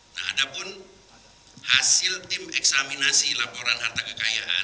nah ada pun hasil tim eksaminasi laporan harta kekayaan